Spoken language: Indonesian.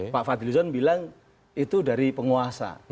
pak fadli luzon bilang itu dari penguasa